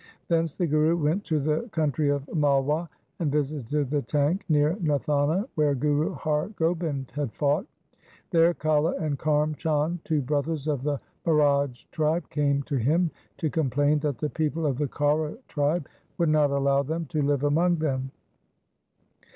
Thence the Guru went to the country of Malwa and visited the tank near Nathana where Guru Har. Gobind had fought. There Kala and Karm Chand, two brothers of the Marhaj tribe, came to him to complain that the people of the Kaura tribe would not allow them to live among them.